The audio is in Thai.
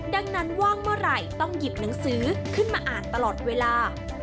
ดังนั้นว่างเมื่อไหร่ต้องหยิบหนังสือขึ้นมาอ่านตลอดเวลา